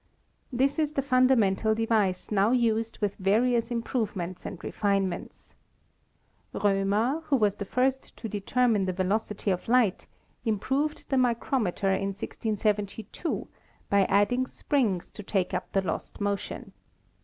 This is the fundamental device now used with various improve ments and refinements. Roemer, who was the first to determine the velocity of light, improved the micrometer in 1672 by adding springs to take up the lost motion.